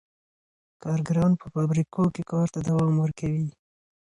کارګران په فابریکو کي کار ته دوام ورکوي.